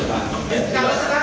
pak saya jaksa